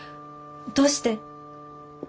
どうして？